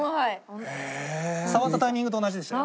触ったタイミングと同じでしたよね。